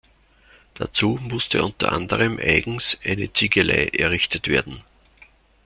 Dazu musste unter anderem eigens eine Ziegelei errichtet werden.